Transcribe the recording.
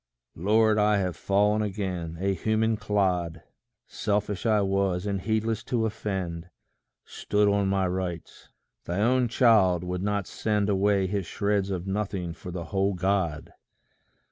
Lord, I have fallen again a human clod! Selfish I was, and heedless to offend; Stood on my rights. Thy own child would not send Away his shreds of nothing for the whole God!